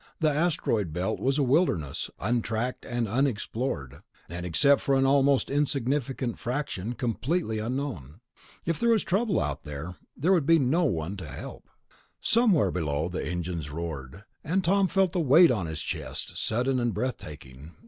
The Asteroid Belt was a wilderness, untracked and unexplored, and except for an almost insignificant fraction, completely unknown. If there was trouble out there, there would be no one to help. Somewhere below the engines roared, and Tom felt the weight on his chest, sudden and breath taking.